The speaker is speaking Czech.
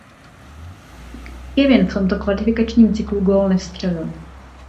Kevin v tomto kvalifikačním cyklu gól nevstřelil.